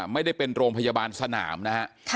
ไม่ได้เป็นโรงพยาบาลสนามนะฮะ